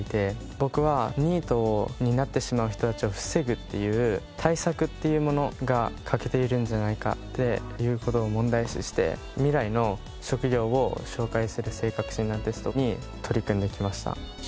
僕はニートになってしまう人たちを防ぐっていう対策っていうものが欠けているんじゃないかっていう事を問題視して未来の職業を紹介する性格診断テストに取り組んできました。